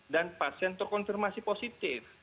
dan pasien terkonfirmasi positif